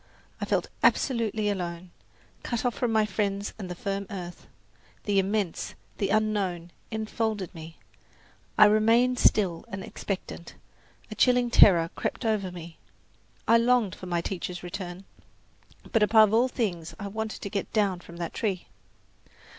I felt absolutely alone, cut off from my friends and the firm earth. The immense, the unknown, enfolded me. I remained still and expectant; a chilling terror crept over me. I longed for my teacher's return; but above all things I wanted to get down from that tree.